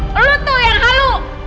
kamu itu yang halus